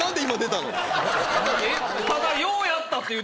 ただ。